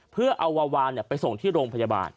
เพื่อเอาวาวานไปส่งที่โรงพยาบาล